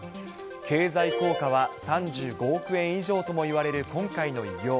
経済効果は３５億円以上ともいわれる今回の偉業。